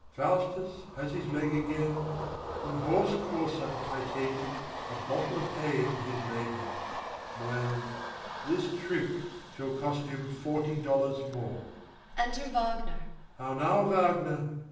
Faustus has his leg again, and the Horse courser, I take it, a bottle of hay for his labour: well, this trick shall cost him forty dollars more. Enter WAGNER. How now, Wagner!